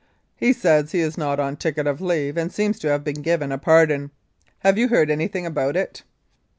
He says he is not on ticket of leave, and seems to have been given a pardon. Have you heard anything about it?"